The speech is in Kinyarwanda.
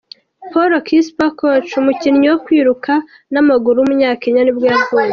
Paul Kipsiele Koech, umukinnyi wo kwiruka n’amaguru w’umunyakenya nibwo yavutse.